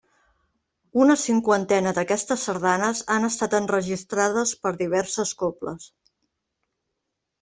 Una cinquantena d'aquestes sardanes han estat enregistrades per diverses cobles.